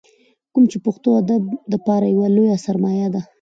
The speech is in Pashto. کوم چې پښتو ادب دپاره يوه لويه سرمايه ده ۔